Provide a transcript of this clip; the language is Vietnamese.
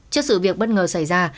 trước sự việc bất ngờ xảy ra